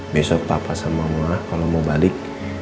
besok papa sama mama kalau mau balik